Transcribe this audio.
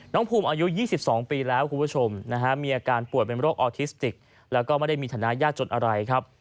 น้องภูมิอายุ๒๒ปีแล้วคุณผู้ชมนะฮะมีอาการป่วยเป็นโรคออทิสติกแล้วก็ไม่ได้มีฐานะยากจนอะไรครับ